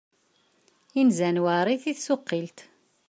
Inzan weɛrit i tsuqilt.